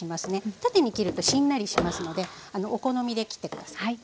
縦に切るとしんなりしますのでお好みで切って下さい。